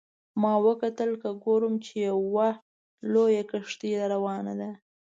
ما وکتل که ګورم چې یوه لویه کښتۍ را روانه ده.